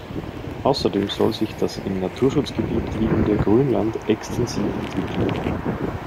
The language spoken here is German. Außerdem soll sich das im Naturschutzgebiet liegende Grünland extensiv entwickeln.